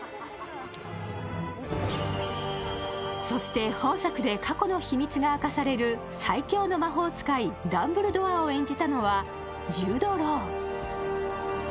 そして本作で過去の秘密が明かされる、最強の魔法使い・ダンブルドアを演じたのはジュード・ロウ。